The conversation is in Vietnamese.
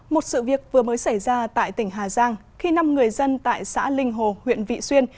một sự việc vừa mới xảy ra tại tỉnh hà giang khi năm người dân tại xã linh hồ huyện vị xuyên